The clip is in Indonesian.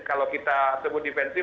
kalau kita sebut defensif